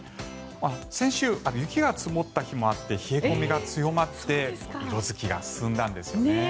先週、雪が積もった日もあって冷え込みが強まって色付きが進んだんですよね。